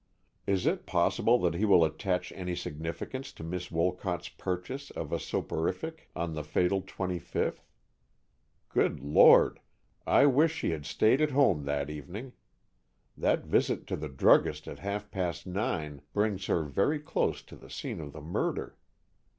"Is it possible that he will attach any significance to Miss Wolcott's purchase of a soporific on the fatal 25th? Good Lord, I wish she had stayed at home that evening! That visit to the druggist at half past nine brings her very close to the scene of the murder.